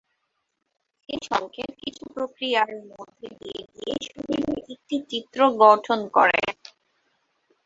সেই সংকেত কিছু প্রক্রিয়ার মধ্যে দিয়ে গিয়ে শরীরের একটি চিত্র গঠন করে।